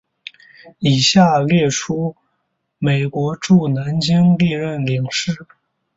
以下列出美国驻南京历任领事。